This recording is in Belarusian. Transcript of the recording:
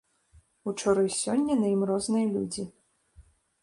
Учора і сёння на ім розныя людзі.